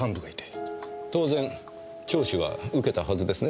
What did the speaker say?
当然聴取は受けたはずですね。